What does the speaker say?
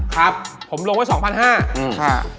ครับผมลงไว้๒๕๐๐บาท